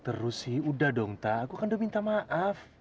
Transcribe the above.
terus sih udah dong tak aku kan udah minta maaf